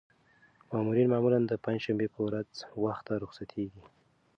مامورین معمولاً د پنجشنبې په ورځ وخته رخصتېږي.